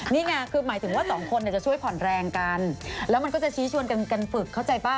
นี่ไงคือหมายถึงว่าสองคนจะช่วยผ่อนแรงกันแล้วมันก็จะชี้ชวนกันฝึกเข้าใจป่ะ